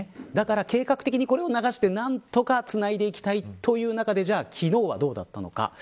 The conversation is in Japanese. だから計画的にこれを流して何とかつないでいきたいという中で昨日はどうだったのか。